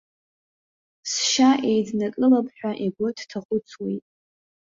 Сшьа еиднакылап ҳәа игәы дҭахәыцуеит.